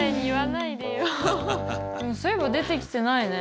そういえば出てきてないね。